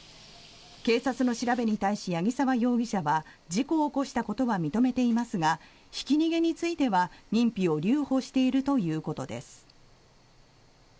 警察の調べに対し八木沢容疑者は事故を起こしたことは認めていますがひき逃げについては認否を留保しているということです。